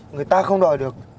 người ta không đòi được